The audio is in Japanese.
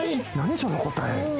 その答え。